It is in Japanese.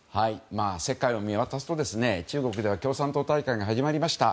世界を見渡すと中国では共産党大会が始まりました。